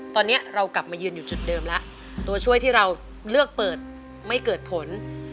ตอนนี้เรากลับมายืนอยู่จุดเดิมแล้วตัวช่วยที่เราเลือกเปิดไม่เกิดผล